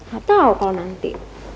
gak tahu kalau nanti